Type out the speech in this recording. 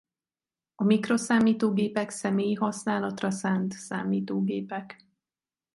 A mikroszámítógépek személyi használatra szánt számítógépek.